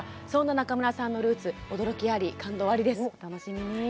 そんな中村さんのルーツ驚きあり感動ありです。